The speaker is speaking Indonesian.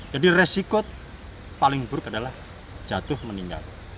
jadi resiko paling buruk adalah jatuh meninggal